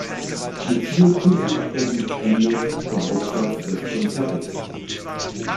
Mit vier Tutti-Akkorden endet der Hauptsatz des Konzertes.